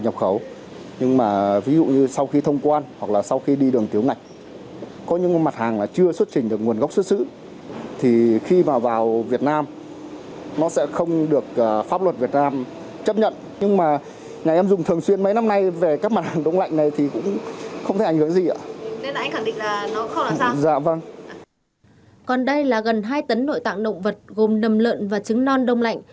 còn đây là gần hai tấn nội tạng động vật gồm nầm lợn và trứng non đông lạnh